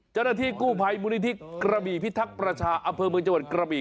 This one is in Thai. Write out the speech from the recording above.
จรภิกษ์กู้ไพรมกระบี่พิทักษ์ประชาอเมืองกระบี่